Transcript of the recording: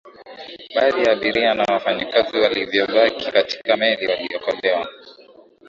baadhi ya abiria na wafanyikazi waliyobaki kwenye meli waliokolewa